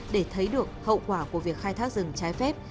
để thấy được hậu quả của việc khai thác rừng trái phép